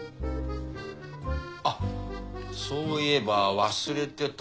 あっそういえば忘れてた。